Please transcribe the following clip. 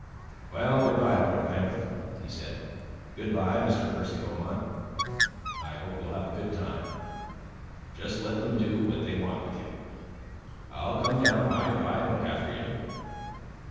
"Well, goodbye, Lord Lambeth," he said; "goodbye, Mr. Percy Beaumont. I hope you'll have a good time. Just let them do what they want with you. I'll come down by and by and look after you."